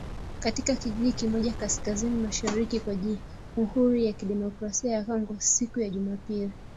Katika kijiji kimoja kaskazini-mashariki mwa Jamhuri ya Kidemokrasia ya Kongo siku ya Jumapili.